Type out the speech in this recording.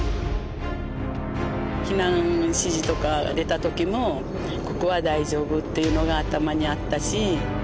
避難指示とかが出たときも「ここは大丈夫」っていうのが頭にあったし。